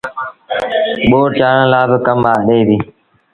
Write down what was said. ٻوڙ چآڙڻ لآ با ڪم ڏي دو